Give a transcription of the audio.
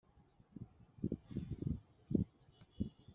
padri rero yali umuzungu,